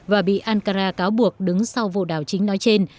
và bị ankara cáo buộc đứng sau vụ đảo chính nói trên